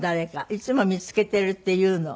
いつも見付けてるって言うの。